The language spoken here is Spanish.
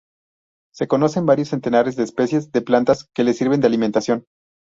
Se conocen varios centenares de especies de plantas que les sirven de alimentación.